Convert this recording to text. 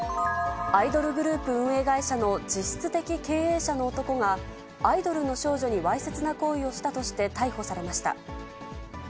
アイドルグループ運営会社の実質的経営者の男が、アイドルの少女にわいせつな行為をしたとして逮捕されました。